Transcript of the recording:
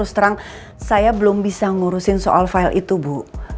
saya belum bisa ngurusin soal file itu bu